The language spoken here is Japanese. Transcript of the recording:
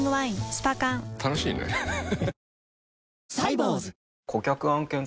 スパ缶楽しいねハハハ